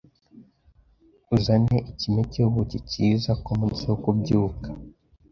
uzane ikime cyubuki kiza ku munsi wo kubyuka